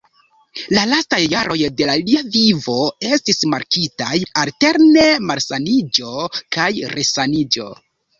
La lastaj jaroj de lia vivo estis markitaj alterne malsaniĝo kaj resaniĝo.